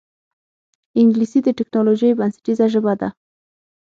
انګلیسي د ټکنالوجۍ بنسټیزه ژبه ده